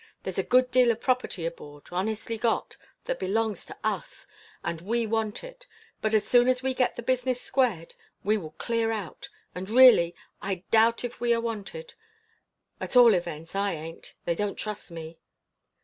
There's a good deal of property aboard honestly got that belongs to us, and we want it; but, as soon as we get the business squared, we will clear out. And, really, I doubt if we are wanted. At all events, I aint. They don't trust me."